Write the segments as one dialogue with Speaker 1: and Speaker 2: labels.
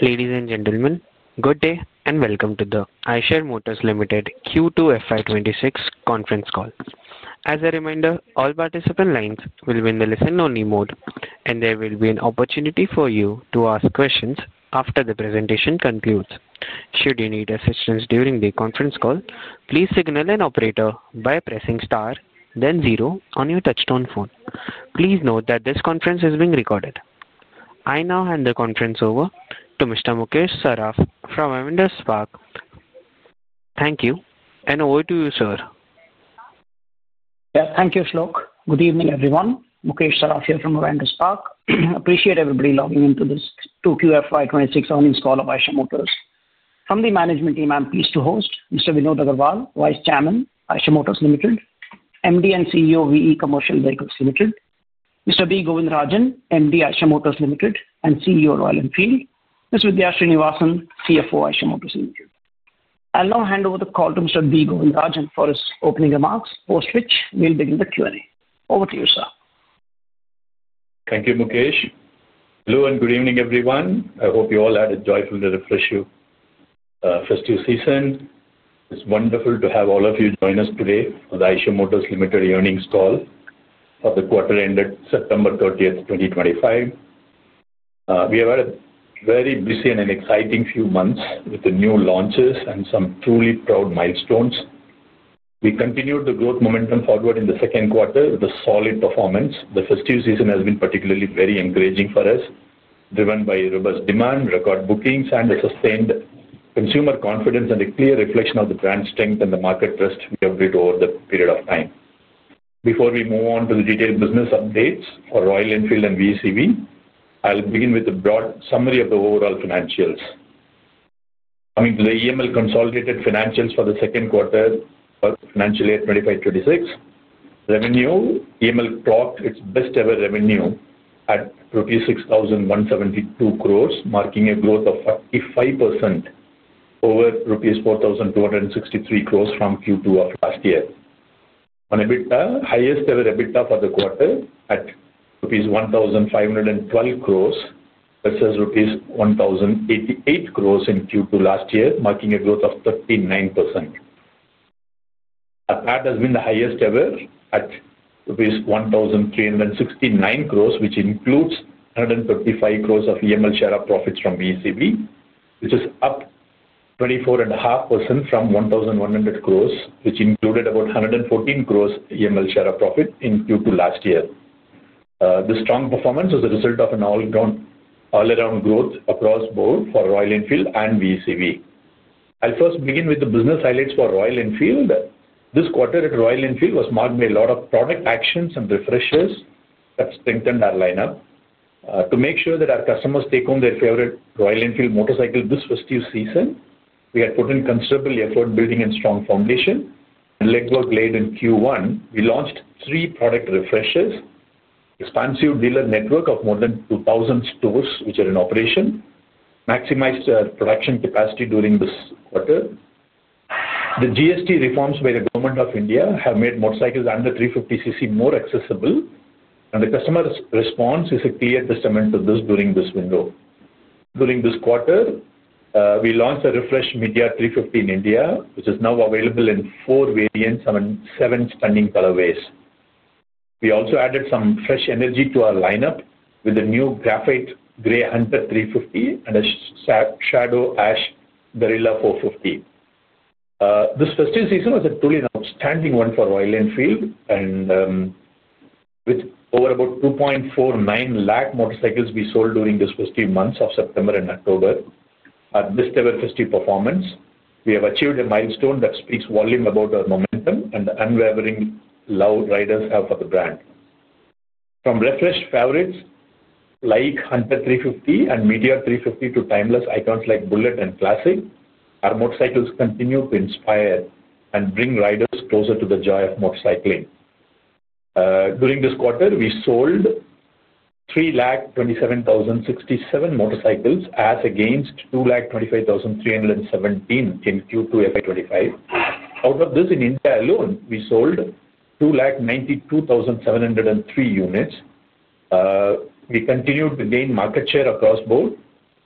Speaker 1: Ladies and gentlemen, good day and welcome to the Eicher Motors Ltd Q2 FY26 conference call. As a reminder, all participant lines will be in the listen-only mode, and there will be an opportunity for you to ask questions after the presentation concludes. Should you need assistance during the conference call, please signal an operator by pressing star, then zero on your touchtone phone. Please note that this conference is being recorded. I now hand the conference over to Mr. Mukesh Saraf from Avendus Spark. Thank you, and over to you, sir.
Speaker 2: Yeah, thank you, Ashok. Good evening, everyone. Mukesh Saraf here from Avendus Spark. Appreciate everybody logging into this Q2 FY 2026 earnings call of Eicher Motors. From the management team, I'm pleased to host Mr. Vinod Aggarwal, Vice Chairman, Eicher Motors Limited, MD and CEO, VE Commercial Vehicles Limited. Mr. B. Govindarajan, MD, Eicher Motors Limited, and CEO, Royal Enfield. This is Vidhya Srinivasan, CFO, Eicher Motors Limited. I'll now hand over the call to Mr. B. Govindarajan for his opening remarks, post which we'll begin the Q&A. Over to you, sir.
Speaker 3: Thank you, Mukesh. Hello and good evening, everyone. I hope you all had a joyful and refreshing festive season. It's wonderful to have all of you join us today for the Eicher Motors Limited earnings call for the quarter ended September 30, 2025. We have had a very busy and exciting few months with the new launches and some truly proud milestones. We continued the growth momentum forward in the second quarter with a solid performance. The festive season has been particularly very encouraging for us, driven by robust demand, record bookings, and a sustained consumer confidence, and a clear reflection of the brand strength and the market trust we have built over the period of time. Before we move on to the detailed business updates for Royal Enfield and VECV, I'll begin with a broad summary of the overall financials. Coming to the EML consolidated financials for the second quarter of financial year 2025 2026, revenue, EML clocked its best-ever revenue at rupees 6,172 crore, marking a growth of 45% over rupees 4,263 crore from Q2 of last year. On EBITDA, highest-ever EBITDA for the quarter at rupees 1,512 crore versus rupees 1,088 crore in Q2 last year, marking a growth of 39%. That has been the highest-ever at rupees 1,369 crore, which includes 135 crore of EML share of profits from VECV, which is up 24.5% from 1,100 crore, which included about 114 crore EML share of profit in Q2 last year. The strong performance is a result of an all-around growth across both for Royal Enfield and VECV. I'll first begin with the business highlights for Royal Enfield. This quarter at Royal Enfield was marked by a lot of product actions and refreshes that strengthened our lineup. To make sure that our customers take home their favorite Royal Enfield motorcycle this festive season, we had put in considerable effort building a strong foundation. Legwork laid in Q1, we launched three product refreshes, an expansive dealer network of more than 2,000 stores which are in operation, maximized our production capacity during this quarter. The GST reforms by the Government of India have made motorcycles under 350cc more accessible, and the customer response is a clear testament to this during this window. During this quarter, we launched a refreshed Meteor 350 in India, which is now available in four variants and seven stunning colorways. We also added some fresh energy to our lineup with a new graphite gray Hunter 350 and a shadow ash Guerrilla 450. This festive season was a truly outstanding one for Royal Enfield, and with over about 2.49 lakh motorcycles we sold during these festive months of September and October, at this festive performance, we have achieved a milestone that speaks volumes about our momentum and the unwavering love riders have for the brand. From refreshed favorites like Hunter 350 and Meteor 350 to timeless icons like Bullet and Classic, our motorcycles continue to inspire and bring riders closer to the joy of motorcycling. During this quarter, we sold 327,067 motorcycles as against 225,317 in Q2 FY25. Out of this, in India alone, we sold 292,703 units. We continued to gain market share across both,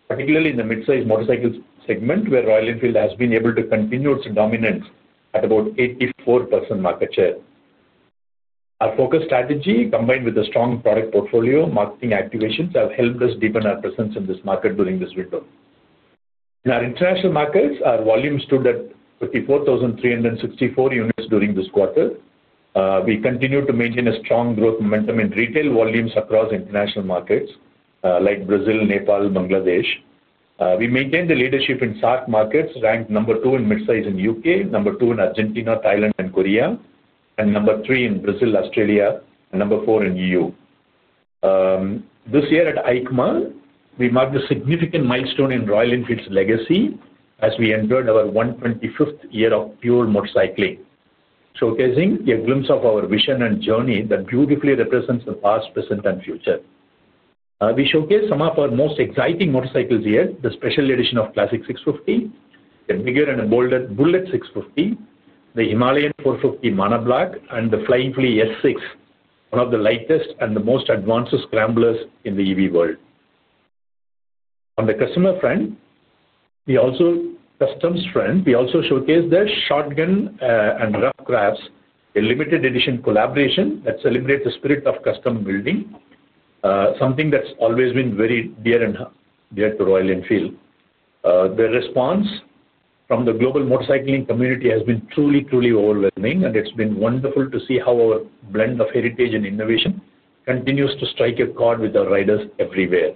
Speaker 3: particularly in the mid-size motorcycle segment, where Royal Enfield has been able to continue its dominance at about 84% market share. Our focus strategy, combined with a strong product portfolio, marketing activations have helped us deepen our presence in this market during this window. In our international markets, our volume stood at 54,364 units during this quarter. We continue to maintain a strong growth momentum in retail volumes across international markets like Brazil, Nepal, and Bangladesh. We maintained the leadership in SARC markets, ranked number two in mid-size in the U.K., number two in Argentina, Thailand, and Korea, and number three in Brazil, Australia, and number four in the EU. This year at EICMA, we marked a significant milestone in Royal Enfield's legacy as we entered our 125th year of pure motorcycling, showcasing a glimpse of our vision and journey that beautifully represents the past, present, and future. We showcased some of our most exciting motorcycles here, the special edition of Classic 650, the bigger and bolder Bullet 650, the Himalayan 450 Monoblock, and the Flying Flea S6, one of the lightest and the most advanced scramblers in the EV world. On the customer front, we also showcased the Shotgun and Rough Crafts, a limited edition collaboration that celebrates the spirit of custom building, something that's always been very dear to Royal Enfield. The response from the global motorcycling community has been truly, truly overwhelming, and it's been wonderful to see how our blend of heritage and innovation continues to strike a chord with our riders everywhere.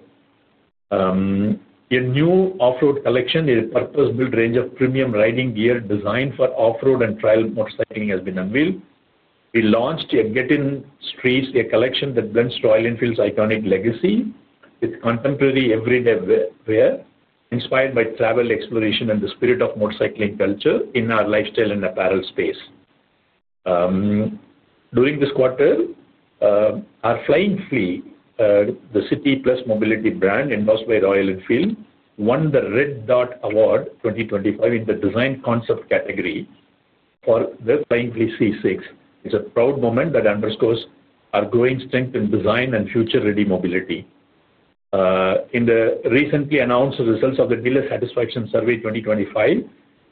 Speaker 3: A new off-road collection, a purpose-built range of premium riding gear designed for off-road and trail motorcycling, has been unveiled. We launched a Get-In Streets, a collection that blends Royal Enfield's iconic legacy with contemporary everyday wear, inspired by travel exploration and the spirit of motorcycling culture in our lifestyle and apparel space. During this quarter, our Flying Flea, the city-plus mobility brand endorsed by Royal Enfield, won the Red Dot Award 2025 in the Design Concept category for the Flying Flea C6. It's a proud moment that underscores our growing strength in design and future-ready mobility. In the recently announced results of the Dealer Satisfaction Survey 2025,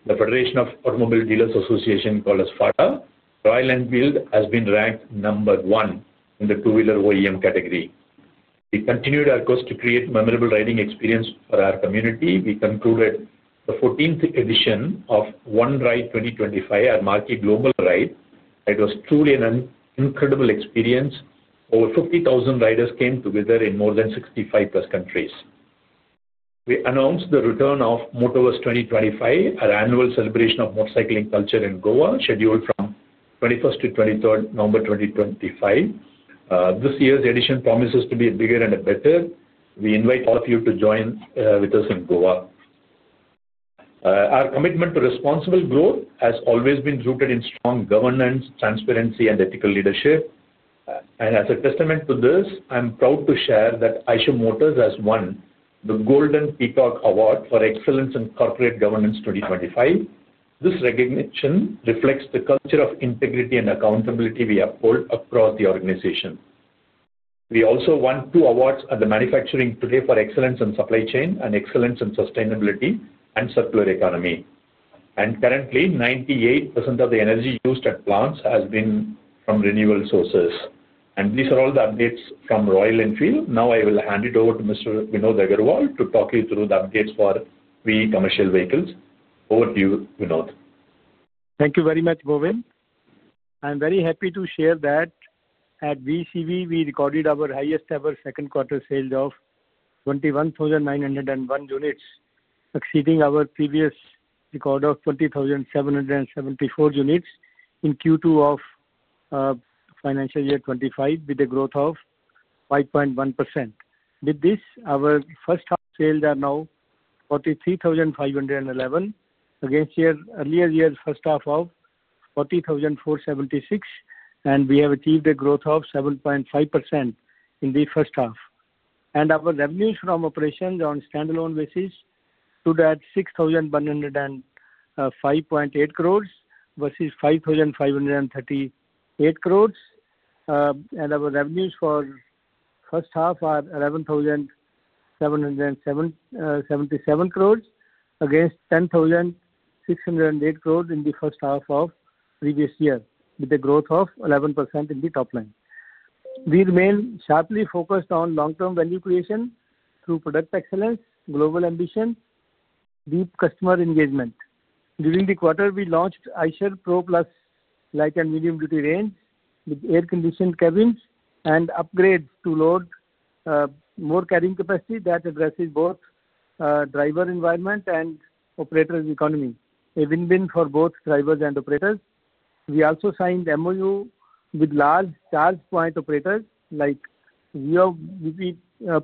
Speaker 3: the Federation of Automobile Dealers Association, called us FADA, Royal Enfield has been ranked number one in the two-wheeler OEM category. We continued our course to create memorable riding experience for our community. We concluded the 14th edition of One Ride 2025, our Marquee Global Ride. It was truly an incredible experience. Over 50,000 riders came together in more than 65 countries. We announced the return of Motoverse 2025, our annual celebration of motorcycling culture in Goa, scheduled from November 21st to 23rd, 2025. This year's edition promises to be bigger and better. We invite all of you to join with us in Goa. Our commitment to responsible growth has always been rooted in strong governance, transparency, and ethical leadership. As a testament to this, I'm proud to share that Eicher Motors has won the Golden Peacock Award for Excellence in Corporate Governance 2025. This recognition reflects the culture of integrity and accountability we uphold across the organization. We also won two awards at Manufacturing Today for Excellence in Supply Chain and Excellence in Sustainability and Circular Economy. Currently, 98% of the energy used at plants has been from renewable sources. These are all the updates from Royal Enfield. Now I will hand it over to Mr. Vinod Aggarwal to talk you through the updates for VE Commercial Vehicles. Over to you, Vinod.
Speaker 4: Thank you very much, Govind. I'm very happy to share that at VECV, we recorded our highest-ever second quarter sales of 21,901 units, exceeding our previous record of 20,774 units in Q2 of financial year 2025, with a growth of 5.1%. With this, our first-half sales are now 43,511, against earlier year's first half of 40,476, and we have achieved a growth of 7.5% in the first half. Our revenues from operations on standalone basis stood at 6,105.8 crore versus 5,538 crore. Our revenues for first half are 11,777 crore, against 10,608 crore in the first half of the previous year, with a growth of 11% in the top line. We remain sharply focused on long-term value creation through product excellence, global ambition, and deep customer engagement. During the quarter, we launched Eicher Pro Plus light and medium-duty range with air-conditioned cabins and upgrades to load more carrying capacity that addresses both driver environment and operator economy, a win-win for both drivers and operators. We also signed MoU with large charge point operators like Jio-bp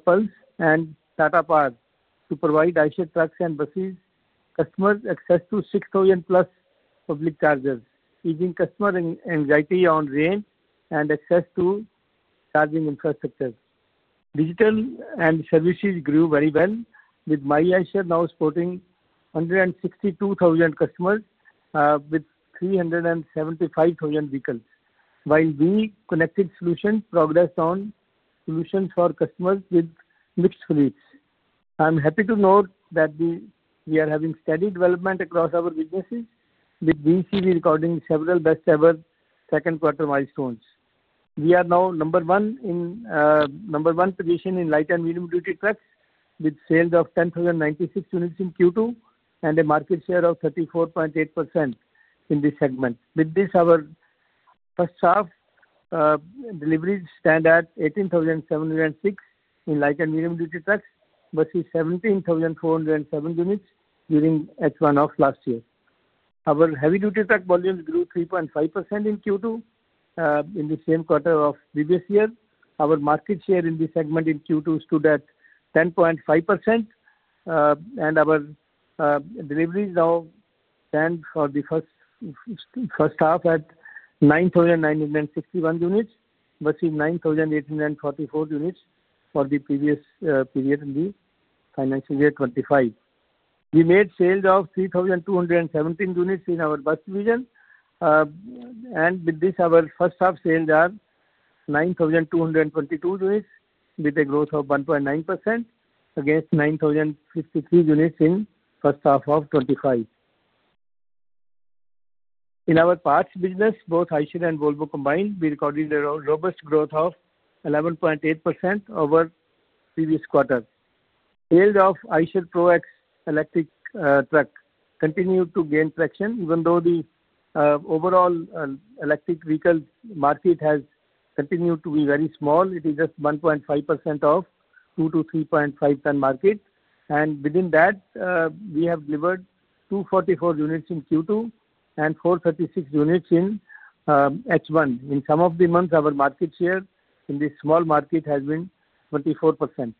Speaker 4: pulse and Tata Power to provide Eicher Trucks and Buses. Customers access to 6,000+ public chargers, easing customer anxiety on range and access to charging infrastructure. Digital and services grew very well, with My Eicher now sporting 162,000 customers with 375,000 vehicles, while VE Connected Solutions progressed on solutions for customers with mixed fleets. I'm happy to note that we are having steady development across our businesses, with VECV recording several best-ever second quarter milestones. We are now number one in position in light and medium-duty trucks, with sales of 10,096 units in Q2 and a market share of 34.8% in this segment. With this, our first-half deliveries stand at 18,706 in light and medium-duty trucks versus 17,407 units during H1 of last year. Our heavy-duty truck volumes grew 3.5% in Q2 in the same quarter of the previous year. Our market share in this segment in Q2 stood at 10.5%, and our deliveries now stand for the first half at 9,961 units versus 9,844 units for the previous period in the financial year 2025. We made sales of 3,217 units in our bus division, and with this, our first-half sales are 9,222 units, with a growth of 1.9% against 9,053 units in the first half of 2025. In our parts business, both Eicher and Volvo combined, we recorded a robust growth of 11.8% over the previous quarter. Sales of Eicher Pro X electric truck continued to gain traction. Even though the overall electric vehicle market has continued to be very small, it is just 1.5% of the 2 ton-3.5 ton market. Within that, we have delivered 244 units in Q2 and 436 units in H1. In some of the months, our market share in this small market has been 24%.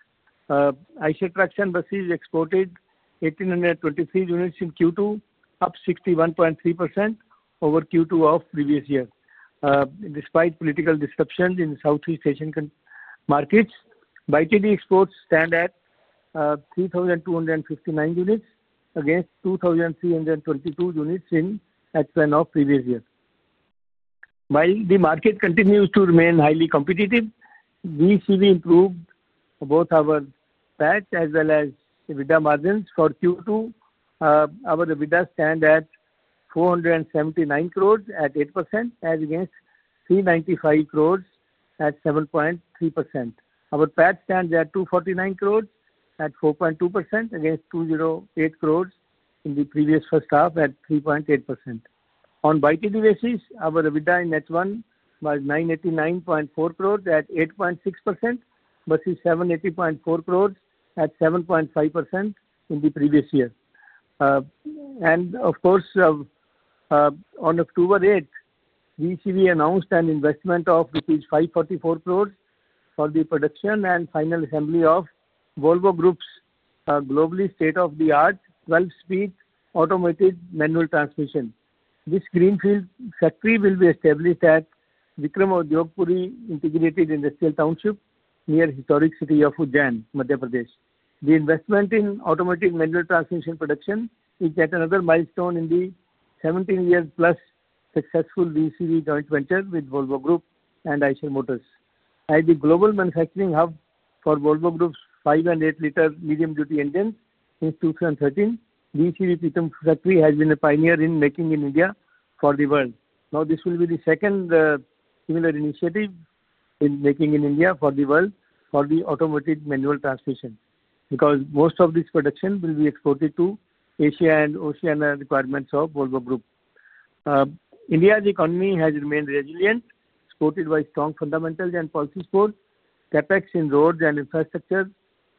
Speaker 4: Eicher Truck and Buses exported 1,823 units in Q2, up 61.3% over Q2 of the previous year. Despite political disruptions in the Southeast Asian markets, by TD Exports stand at 3,259 units against 2,322 units in H1 of the previous year. While the market continues to remain highly competitive, VECV improved both our PAT as well as EBITDA margins for Q2. Our EBITDA stands at INR 479 crore at 8% against 395 crore at 7.3%. Our PAT stands at 249 crore at 4.2% against 208 crore in the previous first half at 3.8%. On by TD basis, our EBITDA in H1 was 989.4 crore at 8.6% versus 780.4 crore at 7.5% in the previous year. Of course, on October 8, VECV announced an investment of rupees 544 crore for the production and final assembly of Volvo Group's globally state-of-the-art 12-speed automated manual transmission. This greenfield factory will be established at Vikram Udyogpuri Integrated Industrial Township near the historic city of Ujjain, Madhya Pradesh. The investment in automated manual transmission production is yet another milestone in the 17-year-plus successful VECV joint venture with Volvo Group and Eicher Motors. As the global manufacturing hub for Volvo Group's 5 and 8-liter medium-duty engines since 2013, VECV Pithampur factory has been a pioneer in making in India for the world. Now, this will be the second similar initiative in making in India for the world for the automotive manual transmission because most of this production will be exported to Asia and Oceania requirements of Volvo Group. India's economy has remained resilient, supported by strong fundamentals and policy support, CapEx in roads and infrastructure,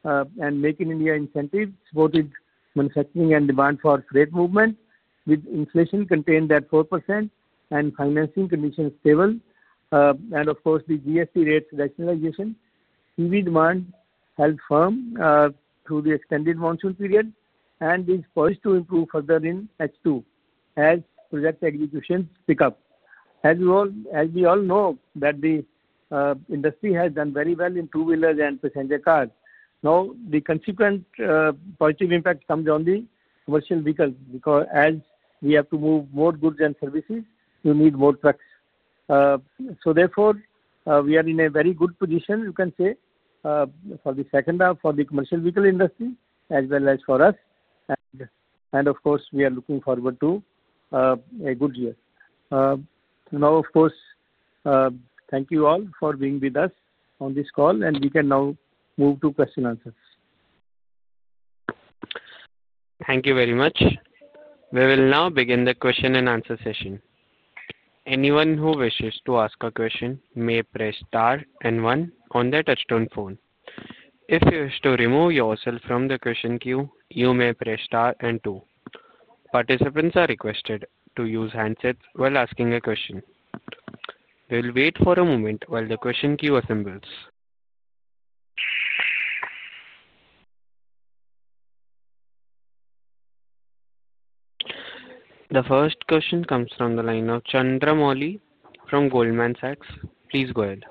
Speaker 4: and make-in-India incentives supported manufacturing and demand for freight movement, with inflation contained at 4% and financing conditions stable. The GST rate rationalization, EV demand held firm through the extended monsoon period, and is poised to improve further in H2 as project executions pick up. As we all know, the industry has done very well in two-wheelers and passenger cars. Now, the consequent positive impact comes on the commercial vehicles because as we have to move more goods and services, we need more trucks. Therefore, we are in a very good position, you can say, for the second half of the commercial vehicle industry as well as for us. Of course, we are looking forward to a good year. Thank you all for being with us on this call, and we can now move to question and answers.
Speaker 1: Thank you very much. We will now begin the question and answer session. Anyone who wishes to ask a question may press star and one on their touchstone phone. If you wish to remove yourself from the question queue, you may press star and two. Participants are requested to use handsets while asking a question. We will wait for a moment while the question queue assembles. The first question comes from the line of Chandramouli from Goldman Sachs. Please go ahead.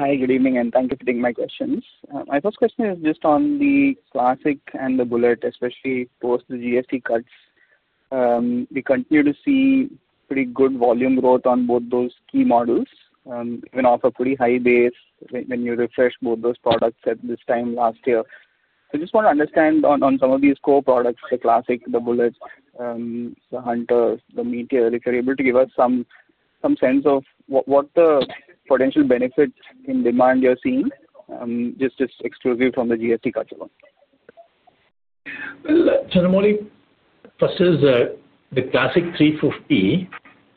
Speaker 5: Hi, good evening, and thank you for taking my questions. My first question is just on the Classic and the Bullet, especially post the GST cuts. We continue to see pretty good volume growth on both those key models. We've been off a pretty high base when you refreshed both those products at this time last year. I just want to understand on some of these core products, the Classic, the Bullet, the Hunter, the Meteor, if you're able to give us some sense of what the potential benefits in demand you're seeing, just exclusively from the GST cuts alone.
Speaker 3: Chandramouli, first is the Classic 350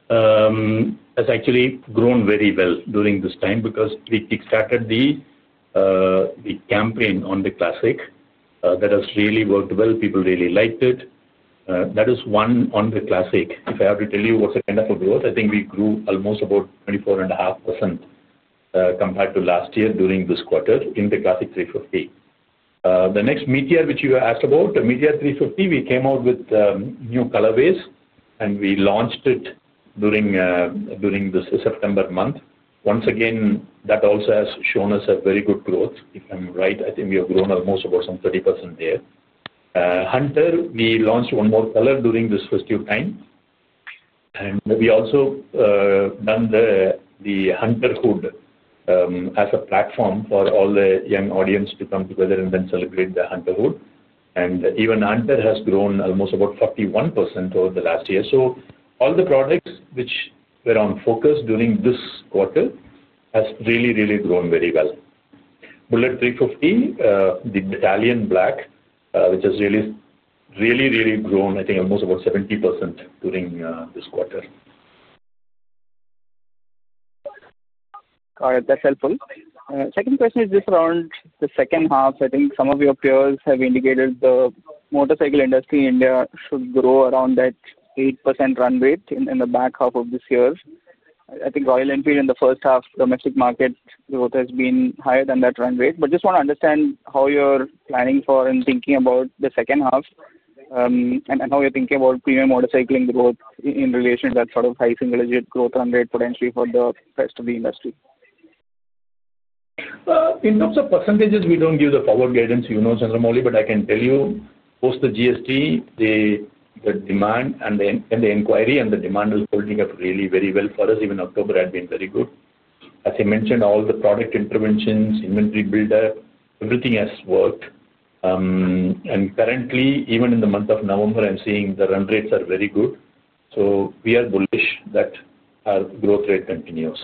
Speaker 3: has actually grown very well during this time because we kickstarted the campaign on the Classic. That has really worked well. People really liked it. That is one on the Classic. If I have to tell you what's the kind of a growth, I think we grew almost about 24.5% compared to last year during this quarter in the Classic 350. The next Meteor, which you asked about, the Meteor 350, we came out with new colorways, and we launched it during this September month. Once again, that also has shown us a very good growth. If I'm right, I think we have grown almost about some 30% there. Hunter, we launched one more color during this festive time. We also done the Hunter Hood as a platform for all the young audience to come together and then celebrate the Hunter Hood. Hunter has grown almost about 41% over the last year. All the products which were on focus during this quarter have really, really grown very well. Bullet 350, the Italian Black, which has really, really grown, I think, almost about 70% during this quarter.
Speaker 5: All right, that's helpful. Second question is just around the second half. I think some of your peers have indicated the motorcycle industry in India should grow around that 8% run rate in the back half of this year. I think Royal Enfield, in the first half, domestic market growth has been higher than that run rate. Just want to understand how you're planning for and thinking about the second half and how you're thinking about premium motorcycling growth in relation to that sort of high single-digit growth run rate potentially for the rest of the industry.
Speaker 3: In terms of %, we don't give the forward guidance, you know, Chandramouli, but I can tell you, post the GST, the demand and the inquiry and the demand is holding up really very well for us. Even October had been very good. As I mentioned, all the product interventions, inventory build-up, everything has worked. Currently, even in the month of November, I'm seeing the run rates are very good. We are bullish that our growth rate continues.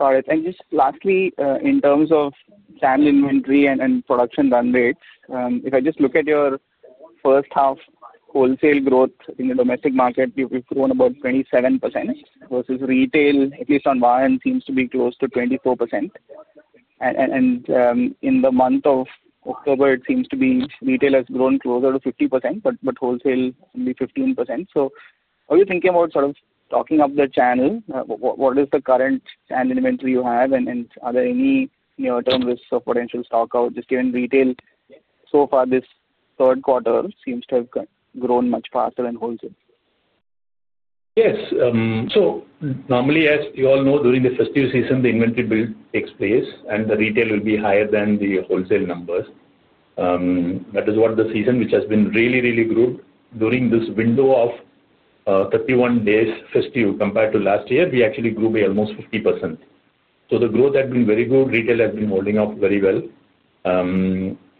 Speaker 5: All right. Just lastly, in terms of sand inventory and production run rates, if I just look at your first-half wholesale growth in the domestic market, you've grown about 27% versus retail, at least on Vine, seems to be close to 24%. In the month of October, it seems to be retail has grown closer to 50%, but wholesale only 15%. Are you thinking about sort of talking up the channel? What is the current sand inventory you have? Are there any near-term risks of potential stock out? Just given retail, so far, this third quarter seems to have grown much faster than wholesale.
Speaker 3: Yes. Normally, as you all know, during the festive season, the inventory build takes place, and the retail will be higher than the wholesale numbers. That is what the season, which has been really, really good during this window of 31 days festive compared to last year, we actually grew by almost 50%. The growth has been very good. Retail has been holding up very well.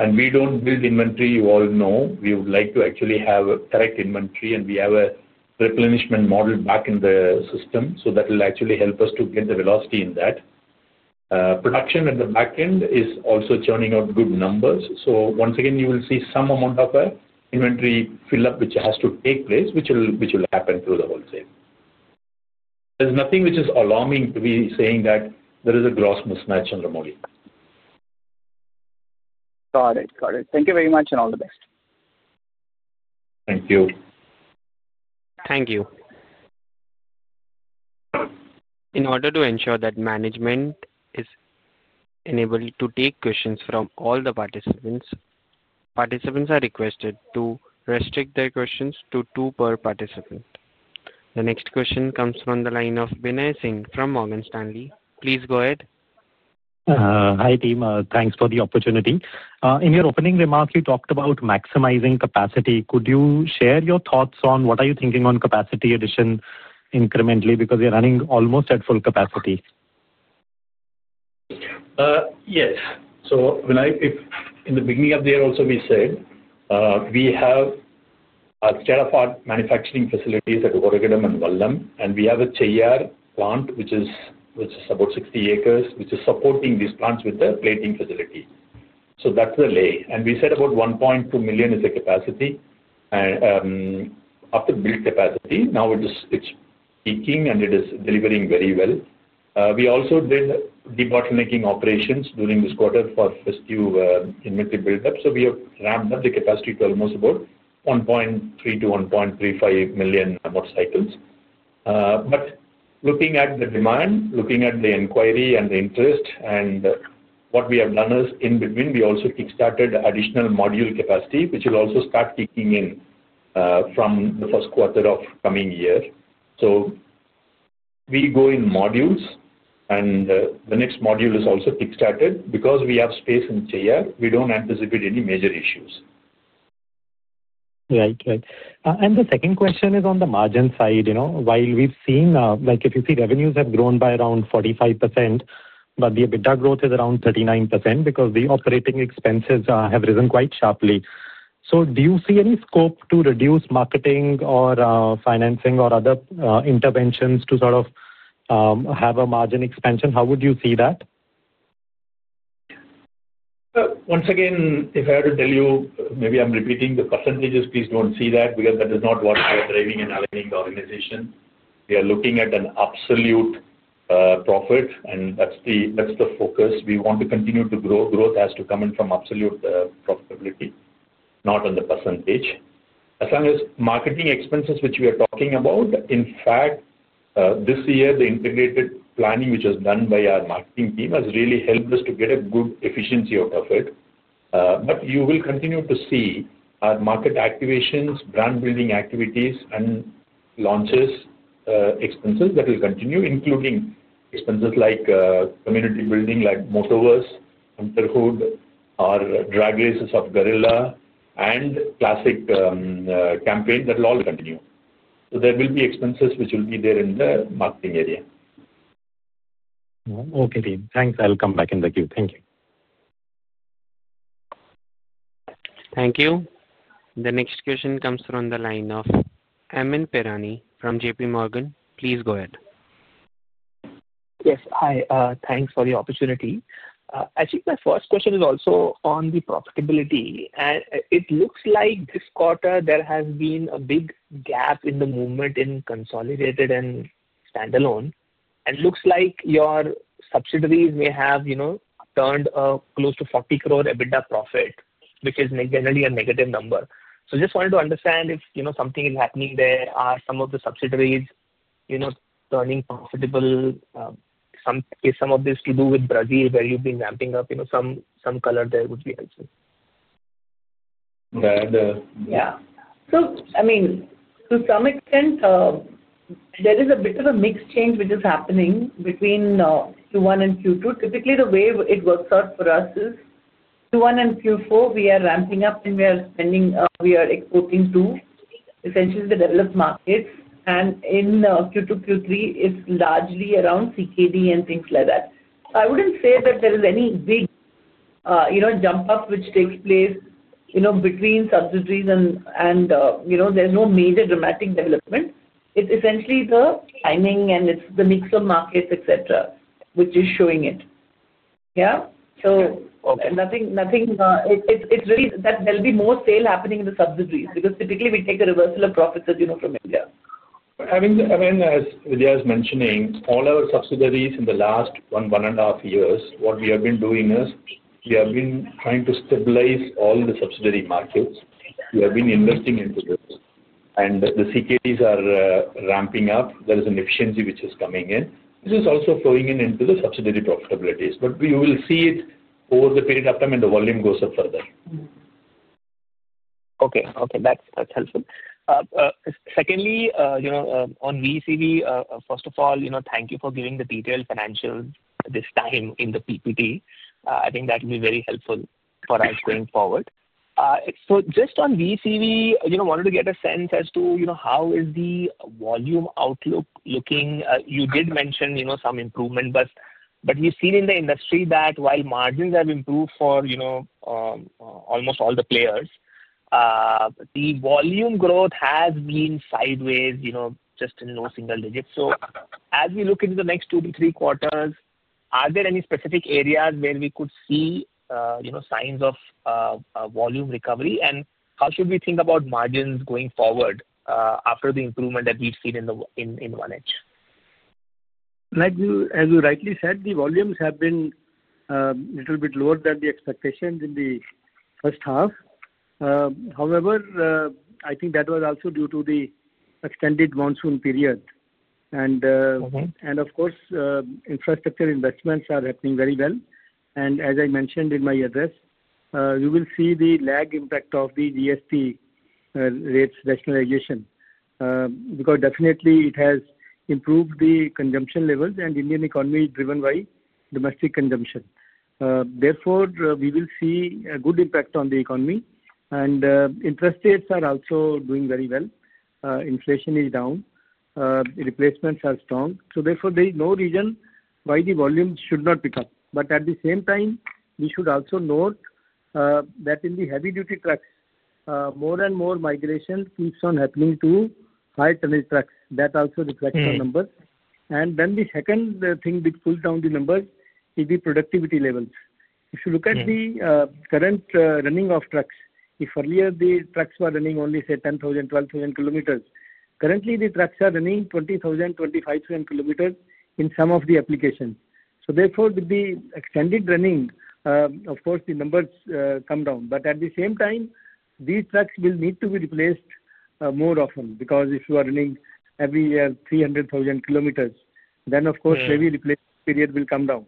Speaker 3: We do not build inventory, you all know. We would like to actually have a correct inventory, and we have a replenishment model back in the system. That will actually help us to get the velocity in that. Production at the back end is also churning out good numbers. Once again, you will see some amount of inventory fill-up, which has to take place, which will happen through the wholesale. There's nothing which is alarming to be saying that there is a gross mismatch, Chandramouli.
Speaker 5: Got it. Got it. Thank you very much, and all the best.
Speaker 3: Thank you.
Speaker 1: Thank you. In order to ensure that management is enabled to take questions from all the participants, participants are requested to restrict their questions to two per participant. The next question comes from the line of Binay Singh from Morgan Stanley. Please go ahead.
Speaker 6: Hi team. Thanks for the opportunity. In your opening remarks, you talked about maximizing capacity. Could you share your thoughts on what are you thinking on capacity addition incrementally because you're running almost at full capacity?
Speaker 3: Yes. In the beginning of the year, also we said we have our Teraford Manufacturing facilities at Oragadam and Walajabad, and we have a Cheyyar plant, which is about 60 acres, which is supporting these plants with the plating facility. That is the lay. We said about 1.2 million is the capacity after built capacity. Now it is peaking, and it is delivering very well. We also did the bottlenecking operations during this quarter for festive inventory build-up. We have ramped up the capacity to almost about 1.3 million-1.35 million motorcycles. Looking at the demand, looking at the inquiry and the interest, what we have done is in between, we also kickstarted additional module capacity, which will also start kicking in from the first quarter of coming year. We go in modules, and the next module is also kickstarted. Because we have space in Cheyyar, we do not anticipate any major issues.
Speaker 6: Right, right. The second question is on the margin side. While we've seen, if you see revenues have grown by around 45%, but the EBITDA growth is around 39% because the operating expenses have risen quite sharply. Do you see any scope to reduce marketing or financing or other interventions to sort of have a margin expansion? How would you see that?
Speaker 3: Once again, if I have to tell you, maybe I'm repeating the percentage, please don't see that because that is not what we are driving and aligning the organization. We are looking at an absolute profit, and that's the focus. We want to continue to grow. Growth has to come in from absolute profitability, not on the percentage. As long as marketing expenses, which we are talking about, in fact, this year, the integrated planning, which was done by our marketing team, has really helped us to get a good efficiency out of it. You will continue to see our market activations, brand-building activities, and launches expenses that will continue, including expenses like community building like Motoverse, Hunter Hood, our drag races of Guerrilla, and Classic campaign that will all continue. There will be expenses which will be there in the marketing area.
Speaker 6: Okay, team. Thanks. I'll come back in the queue. Thank you.
Speaker 1: Thank you. The next question comes from the line of Amyn Pirani from JPMorgan. Please go ahead.
Speaker 7: Yes. Hi. Thanks for the opportunity. Actually, my first question is also on the profitability. It looks like this quarter there has been a big gap in the movement in consolidated and standalone. It looks like your subsidiaries may have turned close to 40 crore EBITDA profit, which is generally a negative number. Just wanted to understand if something is happening there. Are some of the subsidiaries turning profitable? Is some of this to do with Brazil where you've been ramping up? Some color there would be helpful.
Speaker 8: Yeah. I mean, to some extent, there is a bit of a mix change which is happening between Q1 and Q2. Typically, the way it works out for us is Q1 and Q4, we are ramping up and we are exporting to essentially the developed markets. In Q2, Q3, it's largely around CKD and things like that. I wouldn't say that there is any big jump-up which takes place between subsidiaries, and there's no major dramatic development. It's essentially the timing and it's the mix of markets, etc., which is showing it. Yeah? Yes. Okay. Nothing that there'll be more sale happening in the subsidiaries because typically we take a reversal of profits from India.
Speaker 3: I mean, as Vidhya is mentioning, all our subsidiaries in the last one and a half years, what we have been doing is we have been trying to stabilize all the subsidiary markets. We have been investing into this. The CKDs are ramping up. There is an efficiency which is coming in. This is also flowing into the subsidiary profitabilities. You will see it over the period of time and the volume goes up further.
Speaker 7: Okay. Okay. That's helpful. Secondly, on VECV, first of all, thank you for giving the detailed financials this time in the PPT. I think that will be very helpful for us going forward. Just on VECV, wanted to get a sense as to how is the volume outlook looking. You did mention some improvement, but we've seen in the industry that while margins have improved for almost all the players, the volume growth has been sideways, just in low single digits. As we look into the next two to three quarters, are there any specific areas where we could see signs of volume recovery? How should we think about margins going forward after the improvement that we've seen in one edge?
Speaker 4: As you rightly said, the volumes have been a little bit lower than the expectations in the first half. However, I think that was also due to the extended monsoon period. Of course, infrastructure investments are happening very well. As I mentioned in my address, you will see the lag impact of the GST rates rationalization because definitely it has improved the consumption levels and Indian economy driven by domestic consumption. Therefore, we will see a good impact on the economy. Interest rates are also doing very well. Inflation is down. Replacements are strong. Therefore, there is no reason why the volume should not pick up. At the same time, we should also note that in the heavy-duty trucks, more and more migration keeps on happening to high-tunnel trucks. That also reflects our numbers. The second thing which pulls down the numbers is the productivity levels. If you look at the current running of trucks, if earlier the trucks were running only, say, 10,000 km-12,000 km, currently the trucks are running 20,000 km-25,000 km in some of the applications. Therefore, with the extended running, of course, the numbers come down. At the same time, these trucks will need to be replaced more often because if you are running every year 300,000 km, then maybe the replacement period will come down.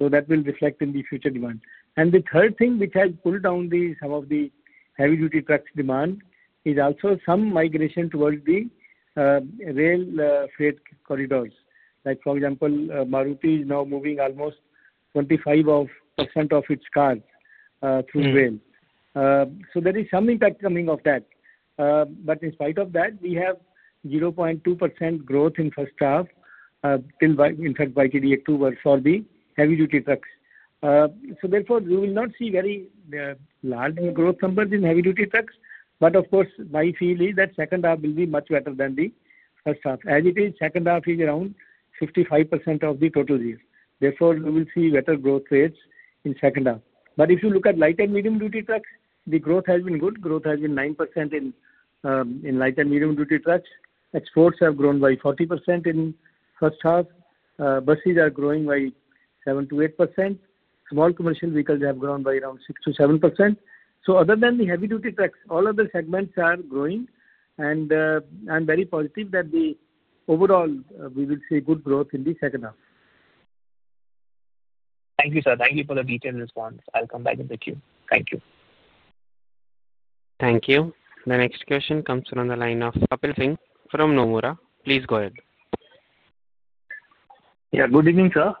Speaker 4: That will reflect in the future demand. The third thing which has pulled down some of the heavy-duty trucks demand is also some migration towards the rail freight corridors. For example, Maruti is now moving almost 25% of its cars through rail. There is some impact coming of that. But in spite of that, we have 0.2% growth in first half, in fact, by TDA2 for the heavy-duty trucks. Therefore, we will not see very large growth numbers in heavy-duty trucks. Of course, my feel is that second half will be much better than the first half. As it is, second half is around 55% of the total year. Therefore, we will see better growth rates in second half. If you look at light and medium-duty trucks, the growth has been good. Growth has been 9% in light and medium-duty trucks. Exports have grown by 40% in first half. Buses are growing by 7%-8%. Small commercial vehicles have grown by around 6%-7%. Other than the heavy-duty trucks, all other segments are growing. I'm very positive that overall, we will see good growth in the second half.
Speaker 7: Thank you, sir. Thank you for the detailed response. I'll come back in the queue. Thank you.
Speaker 1: Thank you. The next question comes from the line of Kapil Singh from Nomura. Please go ahead.
Speaker 9: Yeah. Good evening, sir.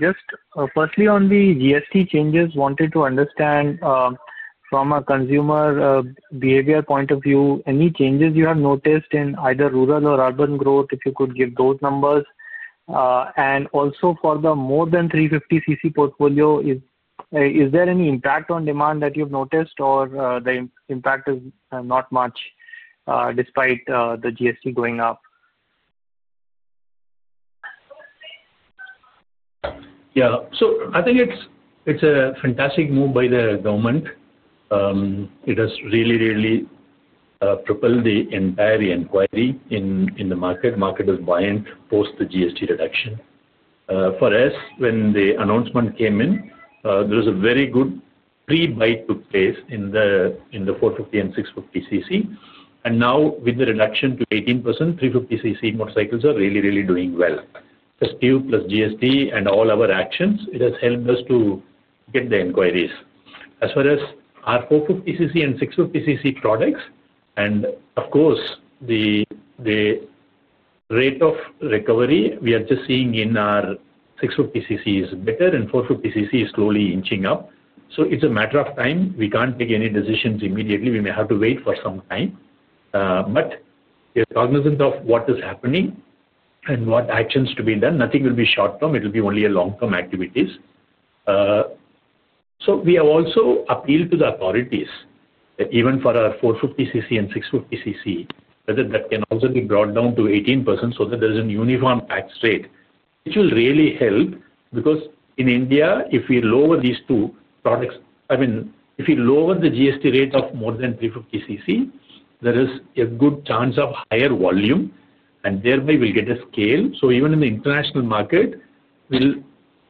Speaker 9: Just firstly, on the GST changes, wanted to understand from a consumer behavior point of view, any changes you have noticed in either rural or urban growth, if you could give those numbers. Also, for the more than 350cc portfolio, is there any impact on demand that you have noticed, or the impact is not much despite the GST going up?
Speaker 3: Yeah. I think it's a fantastic move by the government. It has really, really propelled the entire inquiry in the market. Market was buying post the GST reduction. For us, when the announcement came in, there was a very good pre-buy took place in the 450 and 650cc. Now, with the reduction to 18%, 350cc motorcycles are really, really doing well. STU plus GST and all our actions, it has helped us to get the inquiries. As far as our 450cc and 650cc products, and of course, the rate of recovery we are just seeing in our 650cc is better, and 450cc is slowly inching up. It's a matter of time. We can't take any decisions immediately. We may have to wait for some time. The cognizance of what is happening and what actions to be done, nothing will be short-term. It will be only long-term activities. We have also appealed to the authorities, even for our 450cc and 650cc, whether that can also be brought down to 18% so that there is a uniform tax rate, which will really help because in India, if we lower these two products, I mean, if we lower the GST rate of more than 350cc, there is a good chance of higher volume, and thereby we'll get a scale. Even in the international market,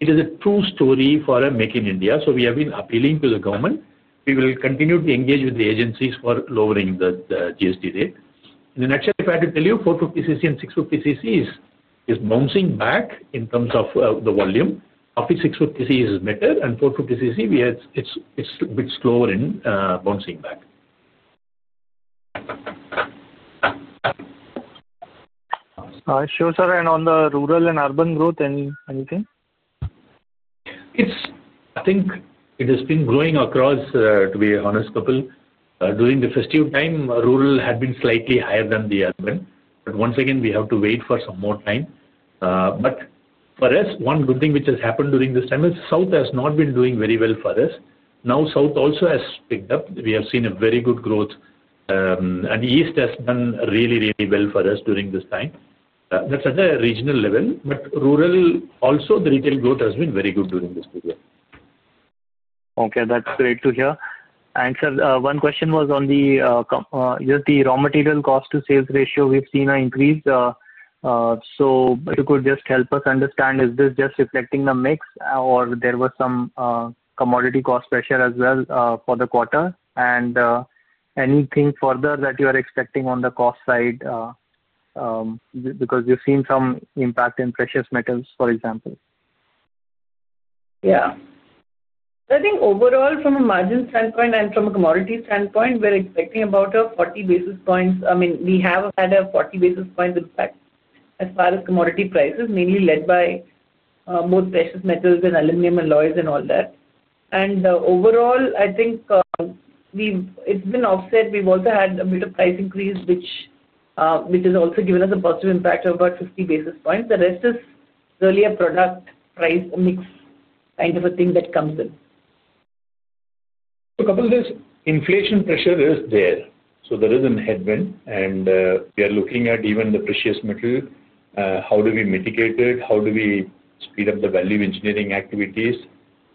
Speaker 3: it is a true story for a make in India. We have been appealing to the government. We will continue to engage with the agencies for lowering the GST rate. Actually, if I had to tell you, 450cc and 650cc is bouncing back in terms of the volume. Of this, 650cc is better, and 450cc, it's a bit slower in bouncing back.
Speaker 9: Sure, sir. On the rural and urban growth, anything?
Speaker 3: It's, I think it has been growing across, to be honest, Kapil. During the festive time, rural had been slightly higher than the urban. Once again, we have to wait for some more time. For us, one good thing which has happened during this time is South has not been doing very well for us. Now South also has picked up. We have seen a very good growth. East has done really, really well for us during this time. That's at a regional level. Rural, also, the retail growth has been very good during this period.
Speaker 9: Okay. That's great to hear. Sir, one question was on the raw material cost-to-sales ratio. We've seen an increase. If you could just help us understand, is this just reflecting the mix, or was there some commodity cost pressure as well for the quarter? Anything further that you are expecting on the cost side because we've seen some impact in precious metals, for example?
Speaker 8: Yeah. I think overall, from a margin standpoint and from a commodity standpoint, we're expecting about 40 basis points. I mean, we have had a 40 basis point impact as far as commodity prices, mainly led by both precious metals and aluminum alloys and all that. Overall, I think it's been offset. We've also had a bit of price increase, which has also given us a positive impact of about 50 basis points. The rest is really a product price mix kind of a thing that comes in.
Speaker 3: Kapil, there is inflation pressure. There is a headwind. We are looking at even the precious metal, how do we mitigate it? How do we speed up the value engineering activities?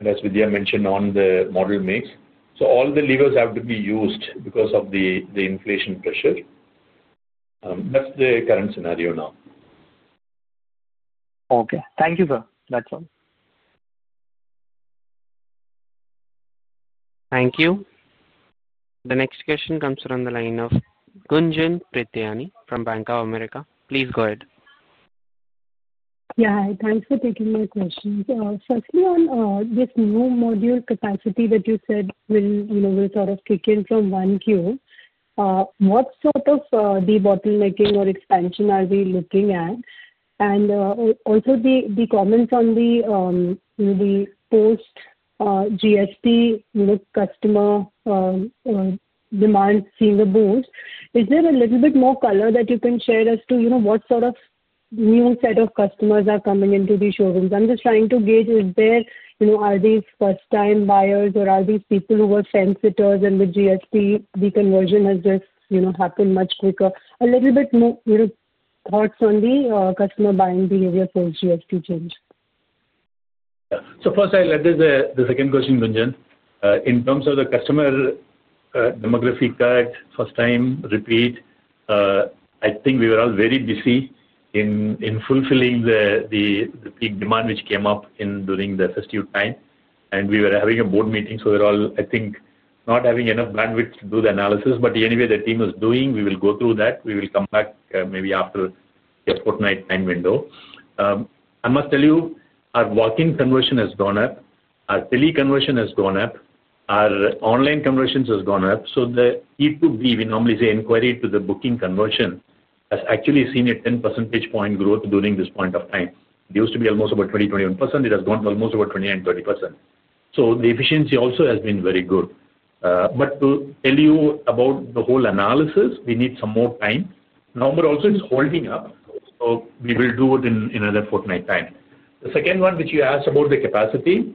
Speaker 3: As Vidhya mentioned on the model mix, all the levers have to be used because of the inflation pressure. That is the current scenario now.
Speaker 9: Okay. Thank you, sir. That's all.
Speaker 1: Thank you. The next question comes from the line of Gunjan Prithyani from Bank of America. Please go ahead.
Speaker 10: Yeah. Thanks for taking my questions. Firstly, on this new module capacity that you said will sort of kick in from Q1, what sort of debottlenecking or expansion are we looking at? Also, the comments on the post-GST customer demand seeing a boost, is there a little bit more color that you can share as to what sort of new set of customers are coming into the showrooms? I'm just trying to gauge if there are these first-time buyers or are these people who were sensitive and with GST, the conversion has just happened much quicker. A little bit more thoughts on the customer buying behavior post-GST change?
Speaker 3: First, I'll address the second question, Gunjan. In terms of the customer demographic card, first-time, repeat, I think we were all very busy in fulfilling the big demand which came up during the festive time. We were having a board meeting, so we were all, I think, not having enough bandwidth to do the analysis. Anyway, the team is doing. We will go through that. We will come back maybe after the fortnight time window. I must tell you, our walk-in conversion has gone up. Our tele conversion has gone up. Our online conversions have gone up. It would be, we normally say, inquiry to the booking conversion has actually seen a 10 percentage point growth during this point of time. It used to be almost about 20%-21%. It has gone almost about 29%-30%. The efficiency also has been very good. To tell you about the whole analysis, we need some more time. Number also is holding up. We will do it in another fortnight time. The second one which you asked about the capacity,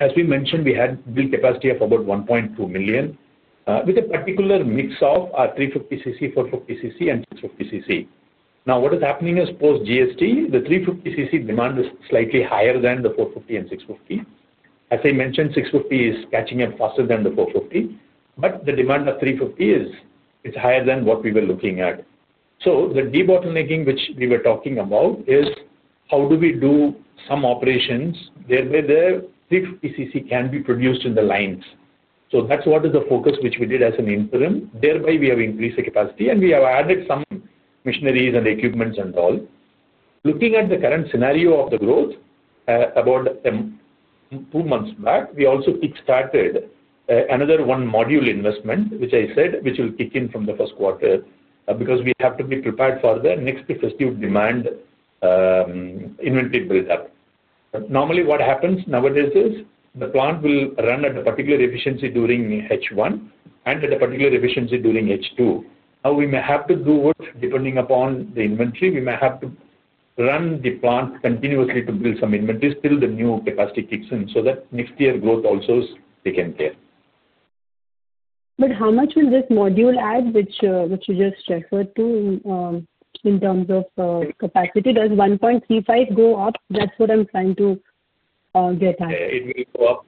Speaker 3: as we mentioned, we had a capacity of about 1.2 million with a particular mix of our 350cc, 450cc, and 650cc Now, what is happening is post-GST, the 350cc demand is slightly higher than the 450 and 650. As I mentioned, 650 is catching up faster than the 450. The demand of 350 is higher than what we were looking at. The debottlenecking which we were talking about is how do we do some operations where the 350cc can be produced in the lines. That is what is the focus which we did as an interim. Thereby, we have increased the capacity, and we have added some machineries and equipment and all. Looking at the current scenario of the growth, about two months back, we also kickstarted another one module investment, which I said, which will kick in from the first quarter because we have to be prepared for the next festive demand inventory build-up. Normally, what happens nowadays is the plant will run at a particular efficiency during H1 and at a particular efficiency during H2. Now, we may have to do work depending upon the inventory. We may have to run the plant continuously to build some inventory till the new capacity kicks in so that next year growth also is taken care.
Speaker 10: How much will this module add, which you just referred to in terms of capacity? Does 1.35 go up? That's what I'm trying to get at.
Speaker 3: It will go up.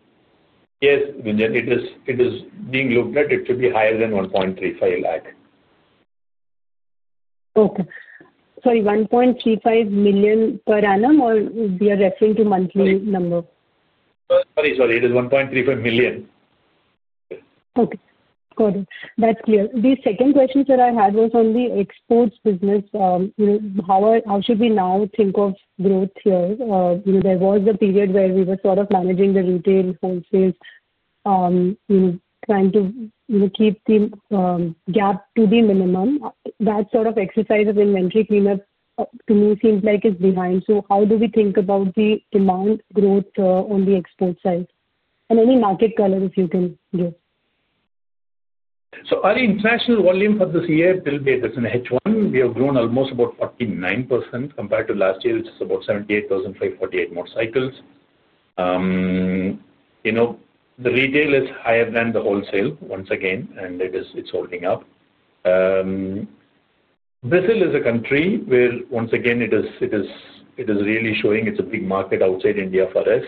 Speaker 3: Yes, Gunjan, it is being looked at. It should be higher than 135,000.
Speaker 10: Okay. Sorry, 1.35 million per annum, or we are referring to monthly number?
Speaker 3: Sorry, sorry. It is 1.35 million.
Speaker 10: Okay. Got it. That's clear. The second question that I had was on the exports business. How should we now think of growth here? There was a period where we were sort of managing the retail, wholesales, trying to keep the gap to the minimum. That sort of exercise of inventory cleanup, to me, seems like it's behind. How do we think about the demand growth on the export side? Any market color, if you can give.
Speaker 3: Our international volume for this year will be this in H1. We have grown almost about 49% compared to last year, which is about 78,548 motorcycles. The retail is higher than the wholesale, once again, and it's holding up. Brazil is a country where, once again, it is really showing it's a big market outside India for us.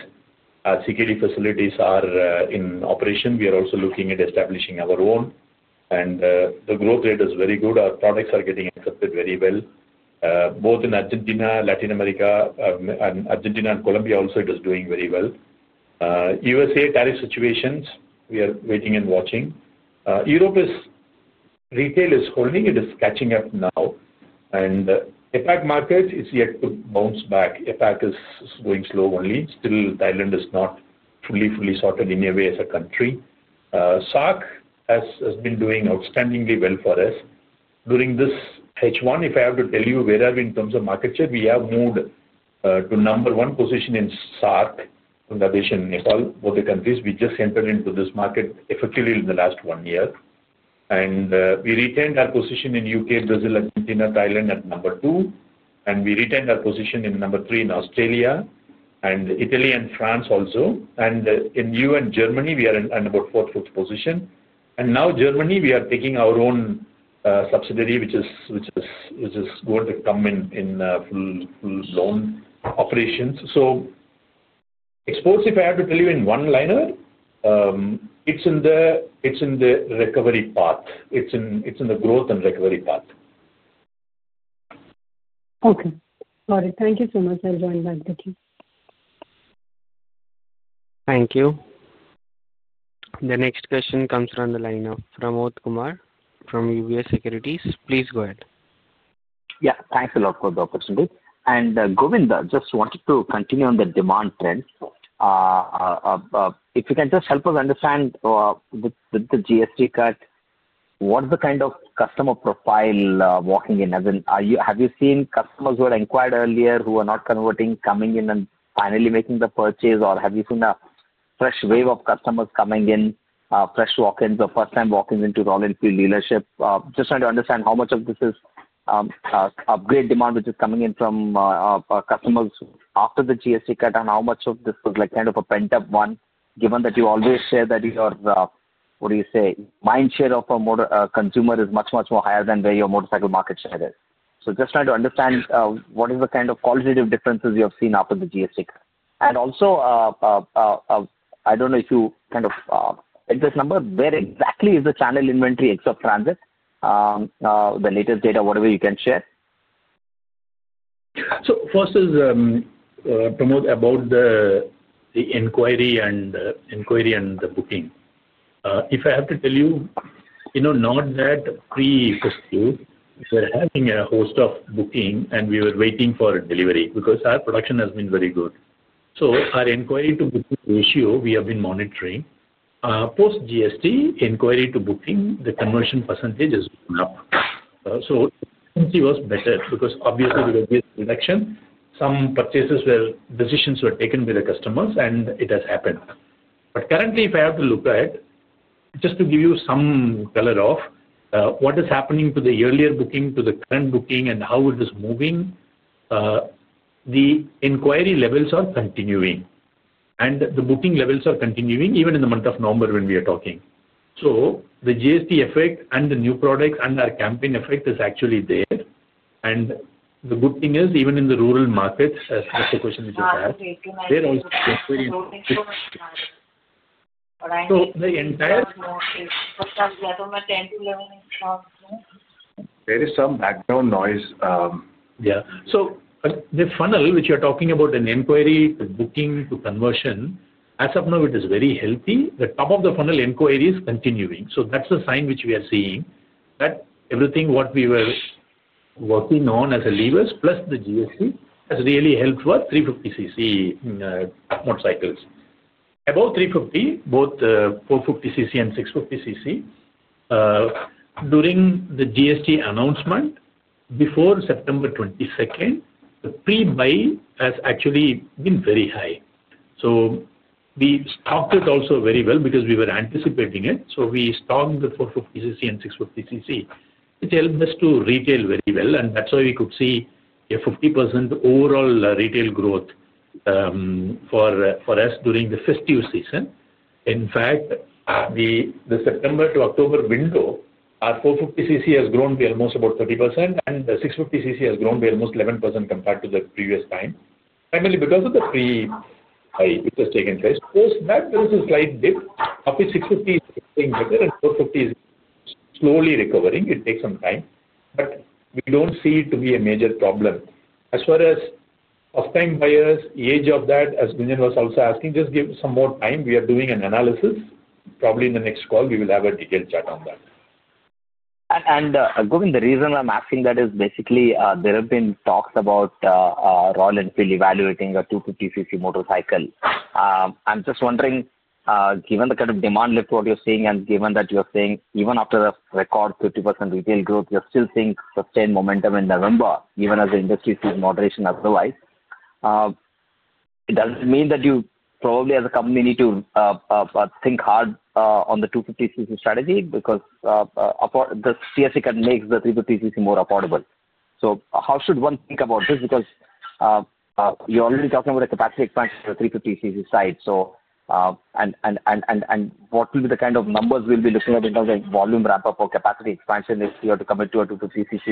Speaker 3: Our CKD facilities are in operation. We are also looking at establishing our own. The growth rate is very good. Our products are getting accepted very well, both in Argentina, Latin America, and Argentina and Colombia also, it is doing very well. U.S.A. tariff situations, we are waiting and watching. Europe's retail is holding. It is catching up now. APAC market is yet to bounce back. APAC is going slow only. Still, Thailand is not fully, fully sorted in a way as a country. SARC has been doing outstandingly well for us. During this H1, if I have to tell you where are we in terms of market share, we have moved to number one position in SARC, Bangladesh, and Nepal, both the countries. We just entered into this market effectively in the last one year. We retained our position in the U.K., Brazil, Argentina, and Thailand at number two. We retained our position at number three in Australia, Italy, and France also. In the E.U. Germany, we are in about fourth, fifth position. Now in Germany, we are taking our own subsidiary, which is going to come in full-blown operations. Exports, if I have to tell you in one liner, it's in the recovery path. It's in the growth and recovery path.
Speaker 10: Okay. Got it. Thank you so much. I'll join back. Thank you.
Speaker 1: Thank you. The next question comes from the line of Pramod Kumar from UBS Securities. Please go ahead.
Speaker 11: Yeah. Thanks a lot for the opportunity. And Govinda, just wanted to continue on the demand trend. If you can just help us understand with the GST cut, what's the kind of customer profile walking in? Have you seen customers who are inquired earlier who are not converting, coming in and finally making the purchase? Or have you seen a fresh wave of customers coming in, fresh walk-ins or first-time walk-ins into Royal Enfield dealership? Just trying to understand how much of this is upgrade demand, which is coming in from customers after the GST cut, and how much of this was kind of a pent-up one, given that you always share that your, what do you say, mind share of a consumer is much, much more higher than where your motorcycle market share is. So just trying to understand what is the kind of qualitative differences you have seen after the GST cut. And also, I don't know if you kind of get this number, where exactly is the channel inventory except transit? The latest data, whatever you can share.
Speaker 3: So first is Pramod about the inquiry and the booking. If I have to tell you, not that pre-festive, we're having a host of booking, and we were waiting for delivery because our production has been very good. So our inquiry-to-booking ratio, we have been monitoring. Post-GST inquiry-to-booking, the conversion percentage has gone up. So it was better because obviously, with the reduction, some purchases were decisions were taken with the customers, and it has happened. But currently, if I have to look at, just to give you some color of what is happening to the earlier booking, to the current booking, and how it is moving, the inquiry levels are continuing. And the booking levels are continuing even in the month of November when we are talking. So the GST effect and the new products and our campaign effect is actually there. And the good thing is, even in the rural markets, as the question is, they're also experiencing it. So the entire.
Speaker 12: There's some background noise.
Speaker 3: There is some background noise. Yeah. The funnel, which you're talking about, an inquiry to booking to conversion, as of now, it is very healthy. The top of the funnel inquiry is continuing. That's the sign which we are seeing that everything what we were working on as a levers, plus the GST, has really helped for 350cc motorcycles. Above 350, both 450cc and 650cc, during the GST announcement before September 22nd, the pre-buy has actually been very high. We stocked it also very well because we were anticipating it. We stocked the 450cc and 650cc, which helped us to retail very well. That's why we could see a 50% overall retail growth for us during the festive season. In fact, the September to October window, our 450cc has grown to almost about 30%, and the 650cc has grown to almost 11% compared to the previous time, primarily because of the pre-buy which has taken place. Post that, there is a slight dip. Up is 650 is getting better, and 450 is slowly recovering. It takes some time. We do not see it to be a major problem. As far as first-time buyers, the age of that, as Gunjan was also asking, just give some more time. We are doing an analysis. Probably in the next call, we will have a detailed chat on that.
Speaker 11: Govind, the reason I'm asking that is basically there have been talks about Royal Enfield evaluating a 250cc motorcycle. I'm just wondering, given the kind of demand lift what you're seeing and given that you're saying even after the record 50% retail growth, you're still seeing sustained momentum in November, even as the industry sees moderation otherwise. Does it mean that you probably, as a company, need to think hard on the 250cc strategy because the GST cut makes the 350cc more affordable? How should one think about this? You're already talking about the capacity expansion on the 350cc side. What will be the kind of numbers we'll be looking at in terms of volume ramp-up or capacity expansion if you are to commit to a 250cc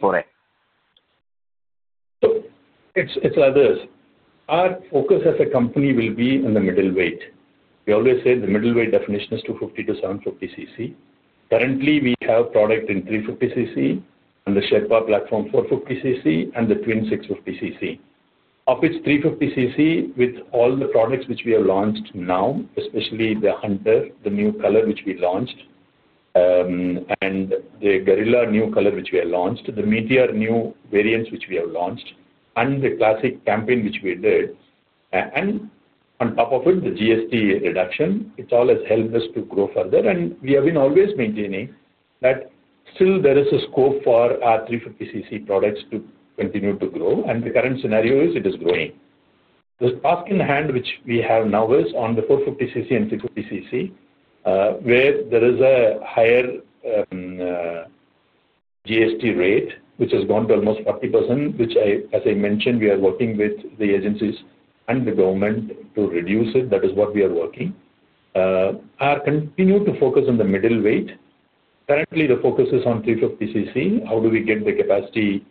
Speaker 11: for it?
Speaker 3: It's like this. Our focus as a company will be in the middleweight. We always say the middleweight definition is 250 to 750cc. Currently, we have product in 350cc and the Sherpa platform 450cc and the twin 650cc. Of its 350cc, with all the products which we have launched now, especially the Hunter, the new color which we launched, and the Guerrilla new color which we have launched, the Meteor new variants which we have launched, and the Classic campaign which we did. On top of it, the GST reduction, it all has helped us to grow further. We have been always maintaining that still there is a scope for our 350cc products to continue to grow. The current scenario is it is growing. The task in hand which we have now is on the 450cc and 350cc, where there is a higher GST rate, which has gone to almost 40%, which, as I mentioned, we are working with the agencies and the government to reduce it. That is what we are working. Continue to focus on the middle weight. Currently, the focus is on 350cc. How do we get the capacity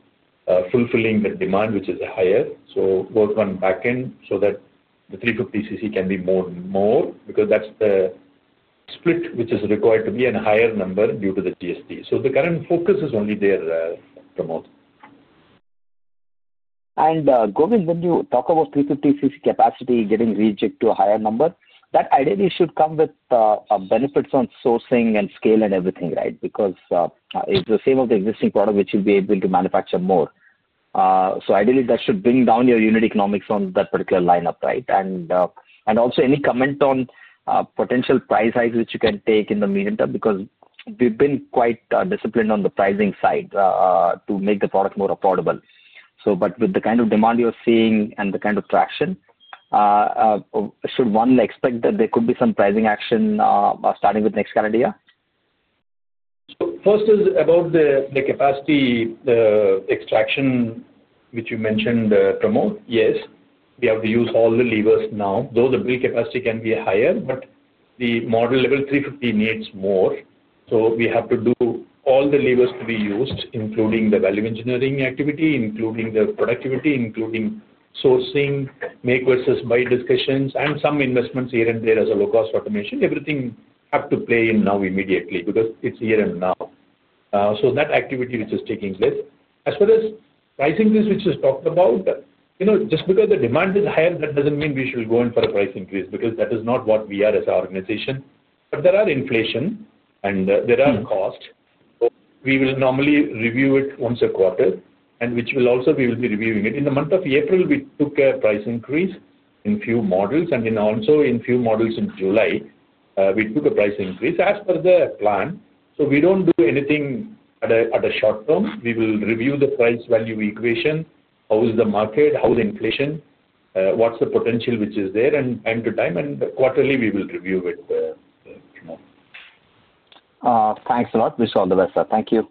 Speaker 3: fulfilling the demand, which is higher? Work on backend so that the 350cc can be more and more because that's the split which is required to be a higher number due to the GST. The current focus is only there, Pramod.
Speaker 11: Govind, when you talk about 350cc capacity getting reached to a higher number, that ideally should come with benefits on sourcing and scale and everything, right? Because it's the same of the existing product which you'll be able to manufacture more. Ideally, that should bring down your unit economics on that particular lineup, right? Also, any comment on potential price hikes which you can take in the medium term because we've been quite disciplined on the pricing side to make the product more affordable. With the kind of demand you're seeing and the kind of traction, should one expect that there could be some pricing action starting with next calendar year?
Speaker 3: First is about the capacity extraction which you mentioned, Pramod. Yes, we have to use all the levers now. Though the build capacity can be higher, the model level 350 needs more. We have to do all the levers to be used, including the value engineering activity, including the productivity, including sourcing, make versus buy discussions, and some investments here and there as a low-cost automation. Everything has to play in now immediately because it's here and now. That activity is taking place. As far as price increase which is talked about, just because the demand is higher, that does not mean we should go in for a price increase because that is not what we are as an organization. There is inflation, and there are costs. We will normally review it once a quarter, and we will also be reviewing it. In the month of April, we took a price increase in a few models, and also in a few models in July, we took a price increase as per the plan. We do not do anything at a short term. We will review the price value equation, how is the market, how is inflation, what is the potential which is there, and time to time. Quarterly, we will review with Pramod.
Speaker 11: Thanks a lot, Mr. Balakrishnan. Thank you.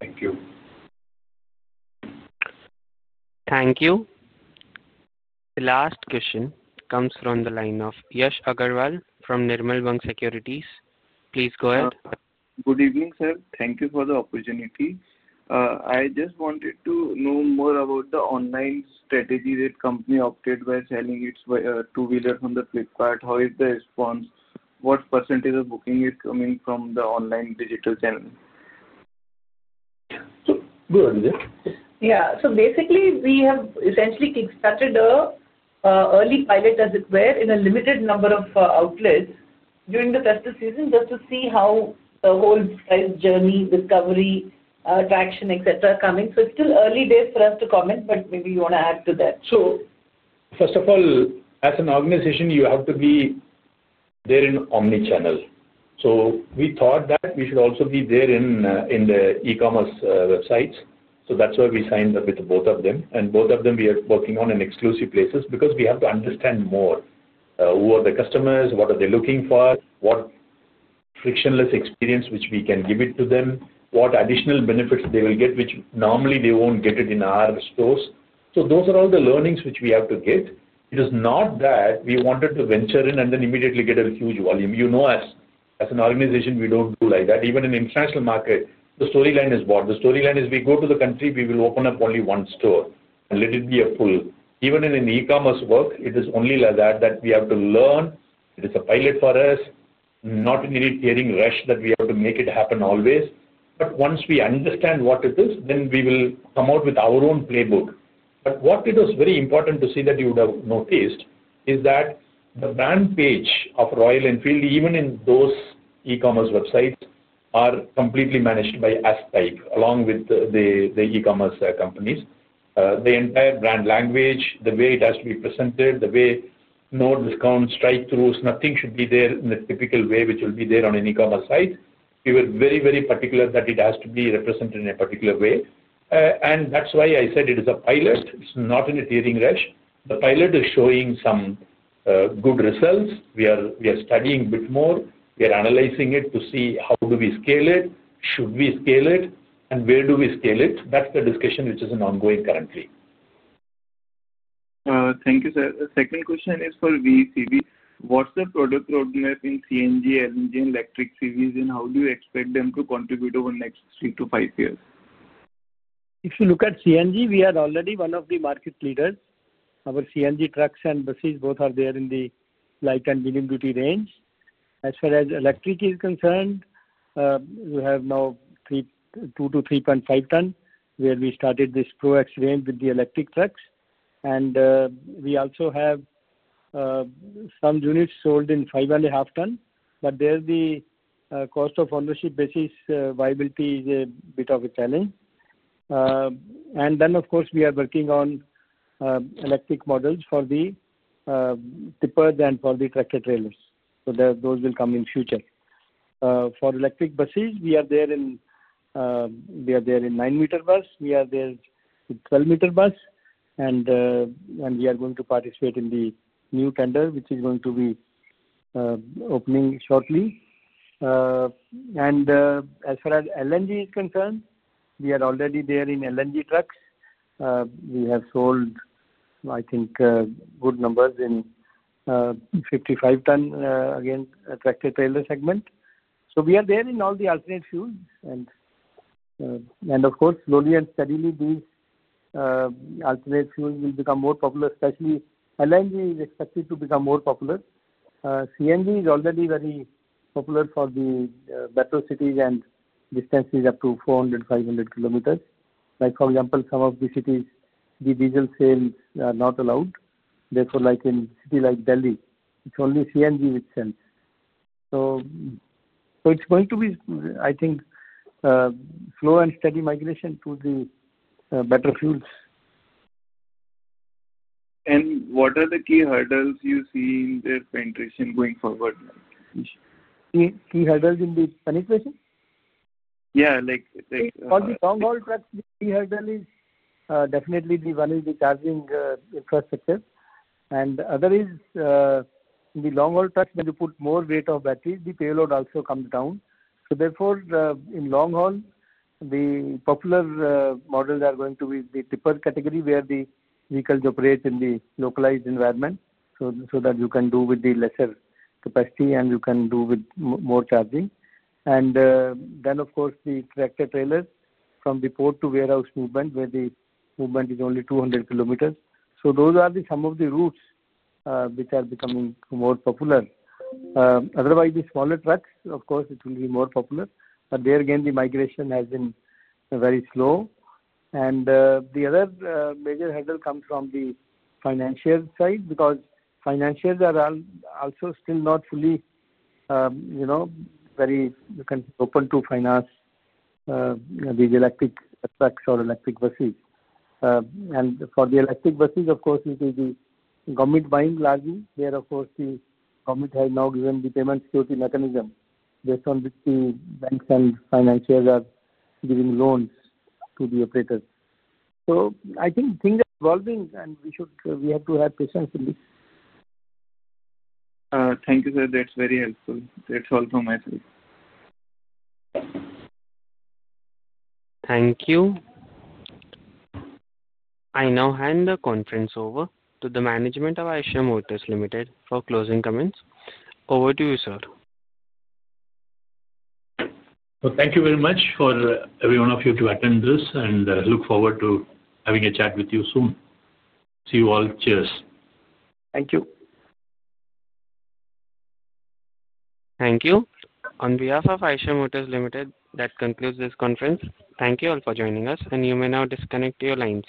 Speaker 3: Thank you.
Speaker 1: Thank you. The last question comes from the line of Yash Agarwal from Nirmal Bang Securities. Please go ahead. Good evening, sir. Thank you for the opportunity. I just wanted to know more about the online strategy that company opted by selling its two-wheeler from Flipkart. How is the response? What percentage of booking is coming from the online digital channel?
Speaker 3: Go ahead, Vidhya.
Speaker 12: Yeah. Basically, we have essentially started an early pilot, as it were, in a limited number of outlets during the festive season just to see how the whole price journey, discovery, traction, etc., are coming. It is still early days for us to comment, but maybe you want to add to that.
Speaker 3: First of all, as an organization, you have to be there in omnichannel. We thought that we should also be there in the e-commerce websites. That is why we signed up with both of them. Both of them, we are working on in exclusive places because we have to understand more who are the customers, what are they looking for, what frictionless experience we can give to them, what additional benefits they will get, which normally they will not get in our stores. Those are all the learnings which we have to get. It is not that we wanted to venture in and then immediately get a huge volume. You know us. As an organization, we do not do like that. Even in international market, the storyline is what? The storyline is we go to the country, we will open up only one store and let it be a full. Even in an e-commerce world, it is only like that that we have to learn. It is a pilot for us, not in any tearing rush that we have to make it happen always. Once we understand what it is, then we will come out with our own playbook. What was very important to see that you would have noticed is that the brand page of Royal Enfield, even in those e-commerce websites, is completely managed by Askpipe along with the e-commerce companies. The entire brand language, the way it has to be presented, the way no discount, strikethroughs, nothing should be there in the typical way which will be there on an e-commerce site. We were very, very particular that it has to be represented in a particular way. That is why I said it is a pilot. It is not in a tearing rush. The pilot is showing some good results. We are studying a bit more. We are analyzing it to see how do we scale it, should we scale it, and where do we scale it. That is the discussion which is ongoing currently. Thank you, sir. The second question is for VECV. What's the product roadmap in CNG, LNG, and electric CVs, and how do you expect them to contribute over the next three to five years?
Speaker 4: If you look at CNG, we are already one of the market leaders. Our CNG trucks and buses, both are there in the light and medium-duty range. As far as electric is concerned, we have now 2 ton-3.5 tons where we started this Pro X range with the electric trucks. We also have some units sold in 5.5 tons. There, the cost of ownership basis viability is a bit of a challenge. Of course, we are working on electric models for the tippers and for the trucker trailers. Those will come in future. For electric buses, we are there in 9-meter bus. We are there in 12-meter bus. We are going to participate in the new tender, which is going to be opening shortly. As far as LNG is concerned, we are already there in LNG trucks. We have sold, I think, good numbers in 55-ton again, tractor trailer segment. We are there in all the alternate fuels. Of course, slowly and steadily, these alternate fuels will become more popular, especially LNG is expected to become more popular. CNG is already very popular for the metro cities and distances up to 400 km-500 km. Like for example, some of the cities, the diesel sales are not allowed. Therefore, like in a city like Delhi, it's only CNG which sells. It's going to be, I think, slow and steady migration to the better fuels. What are the key hurdles you see in the penetration going forward? Key hurdles in the penetration? Yeah. For the long-haul trucks, the key hurdle is definitely the one is the charging infrastructure. The other is the long-haul trucks, when you put more weight of batteries, the payload also comes down. Therefore, in long-haul, the popular models are going to be the tipper category where the vehicles operate in the localized environment so that you can do with the lesser capacity and you can do with more charging. Then, of course, the tractor trailers from the port to warehouse movement where the movement is only 200 km. Those are some of the routes which are becoming more popular. Otherwise, the smaller trucks, of course, it will be more popular. There again, the migration has been very slow. The other major hurdle comes from the financier side because financiers are also still not fully very open to finance these electric trucks or electric buses. For the electric buses, of course, it is the government buying largely where, of course, the government has now given the payment security mechanism based on which the banks and financiers are giving loans to the operators. I think things are evolving, and we have to have patience in this. Thank you, sir. That's very helpful. That's all from my side.
Speaker 1: Thank you. I now hand the conference over to the management of Eicher Motors Limited for closing comments. Over to you, sir.
Speaker 3: Thank you very much for every one of you to attend this, and I look forward to having a chat with you soon. See you all. Cheers.
Speaker 4: Thank you.
Speaker 1: Thank you. On behalf of Eicher Motors Limited, that concludes this conference. Thank you all for joining us, and you may now disconnect your lines.